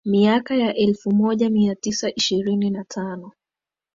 miaka ya elfumoja miatisa ishirini na tano